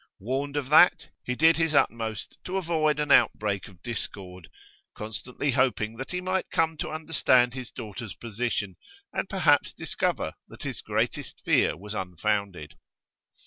Warned of that, he did his utmost to avoid an outbreak of discord, constantly hoping that he might come to understand his daughter's position, and perhaps discover that his greatest fear was unfounded.